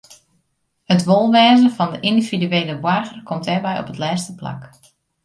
It wolwêzen fan de yndividuele boarger komt dêrby op it lêste plak.